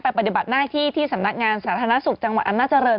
ปฏิบัติหน้าที่ที่สำนักงานสาธารณสุขจังหวัดอำนาจริง